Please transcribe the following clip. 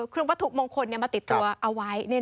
เครื่องวัตถุมงคลมาติดตัวเอาไว้